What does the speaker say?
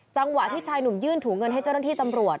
จังหวะที่ชายหนุ่มยื่นถุงเงินให้เจ้าหน้าที่ตำรวจ